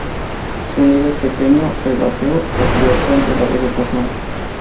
Su nido es pequeño, herbáceo, a cubierto entre la vegetación.